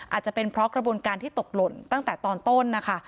อาจจะเป็นเพราะกระบวนการที่ตกหล่นตั้งแต่ตอนต้นนะคะ